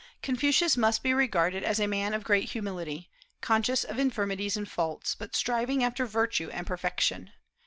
Confucius must be regarded as a man of great humility, conscious of infirmities and faults, but striving after virtue and perfection.